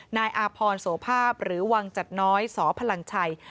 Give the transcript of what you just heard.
นายอาพรโสภาพหรือวังจัดน้อยสพลังชัย